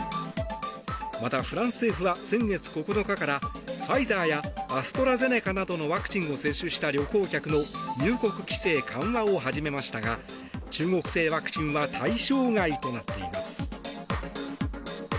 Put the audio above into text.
また、フランス政府は先月９日からファイザーやアストラゼネカなどのワクチンを接種した旅行客の入国規制緩和を始めましたが中国製ワクチンは対象外となっています。